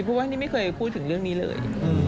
เพราะว่านี่ไม่เคยพูดถึงเรื่องนี้เลย